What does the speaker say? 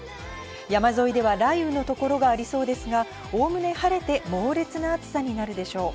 山沿いでは雷雨の所がありそうですが、おおむね晴れて猛烈な暑さになるでしょう。